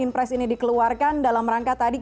impres ini dikeluarkan dalam rangka tadi